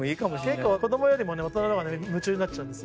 結構子どもよりも大人のほうが夢中になっちゃう。